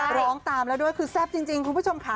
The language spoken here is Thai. ร้องตามแล้วด้วยคือแซ่บจริงคุณผู้ชมค่ะ